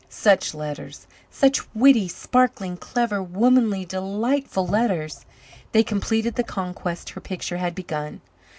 Such letters such witty, sparkling, clever, womanly, delightful letters! They completed the conquest her picture had begun.